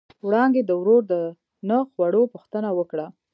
وړانګې د ورور د نه خوړو پوښتنه وکړه.